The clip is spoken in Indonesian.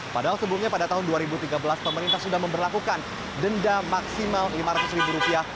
padahal sebelumnya pada tahun dua ribu tiga belas pemerintah sudah memperlakukan denda maksimal lima ratus ribu rupiah